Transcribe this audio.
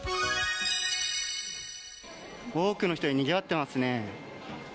多くの人でにぎわっていますね。